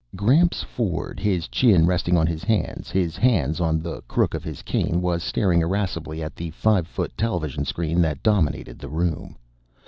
_ Gramps Ford, his chin resting on his hands, his hands on the crook of his cane, was staring irascibly at the five foot television screen that dominated the room.